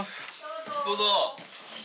どうぞ。